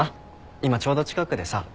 今ちょうど近くでさ。